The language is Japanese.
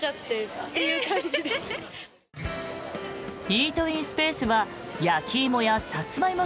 イートインスペースは焼き芋やサツマイモ